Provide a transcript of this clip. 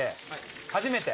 初めて？